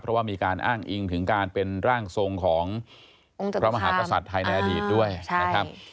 เพราะว่ามีการอ้างอิงถึงการเป็นร่างทรงของพระมหากษัตริย์ไทยในอดีตด้วยนะครับ